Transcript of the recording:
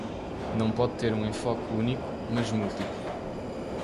não pode ter um enfoque único, mas múltiplo.